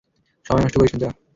সময় নষ্ট করিস না যা।